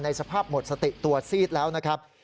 สภาพหมดสติตัวซีดแล้วนะครับ